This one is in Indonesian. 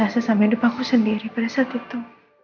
aku putus asa sama hidup aku sendiri pada saat itu